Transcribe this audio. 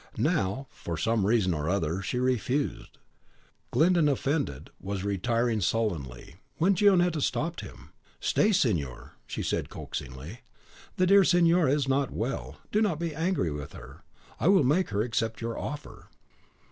Now, for some reason or other, she refused. Glyndon, offended, was retiring sullenly, when Gionetta stopped him. "Stay, signor," said she, coaxingly: "the dear signora is not well, do not be angry with her; I will make her accept your offer."